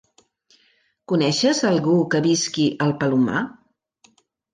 Coneixes algú que visqui al Palomar?